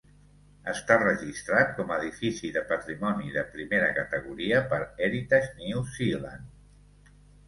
Està registrat com a edifici de patrimoni de primera categoria per Heritage New Zealand.